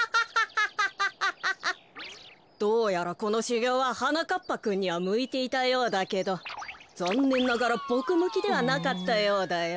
どうやらこのしゅぎょうははなかっぱくんにはむいていたようだけどざんねんながらボクむきではなかったようだよ。